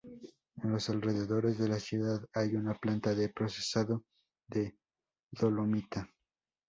En los alrededores de la ciudad hay una planta de procesado de dolomita.